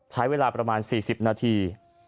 ใช้เวลาประมาณ๔๐นาที